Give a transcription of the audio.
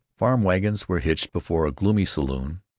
Farm wagons were hitched before a gloomy saloon.